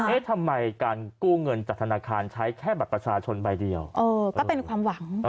เอ๊ะทำไมการกู้เงินจากธนาคารใช้แค่บัตรประชาชนใบเดียวเออก็เป็นความหวัง